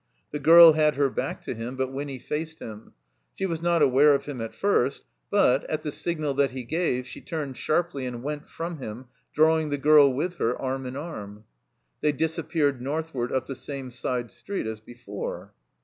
The girl had her back to him, but Winny faced him. She was not aware of him at first; but, at the signal that he gave, she turned sharply and went from him, drawing the girl with her, arm in arm. Hiey disappeared northward up the same side street as before.